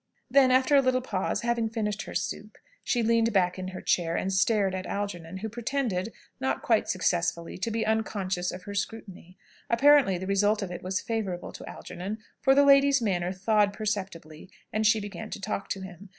Then, after a little pause, having finished her soup, she leaned back in her chair and stared at Algernon, who pretended not quite successfully to be unconscious of her scrutiny. Apparently, the result of it was favourable to Algernon; for the lady's manner thawed perceptibly, and she began to talk to him.